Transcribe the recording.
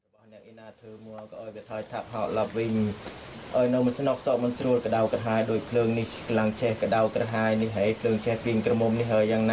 ไม่ต้องไปแปลเขาหรอกนี่คือคาถาระกัน